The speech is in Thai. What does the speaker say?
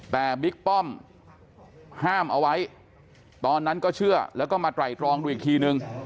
แต่บิ๊กป้อมห้ามเอาไว้ตอนนั้นก็เชื่อแล้วก็มาไตรตรองดูอีกทีนึง